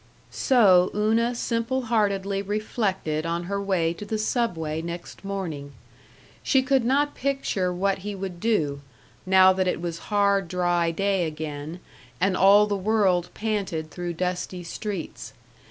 So Una simple heartedly reflected on her way to the Subway next morning. She could not picture what he would do, now that it was hard, dry day again, and all the world panted through dusty streets.